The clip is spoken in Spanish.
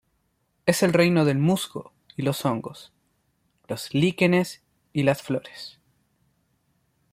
Es el reino del musgo y los hongos; los líquenes y las flores.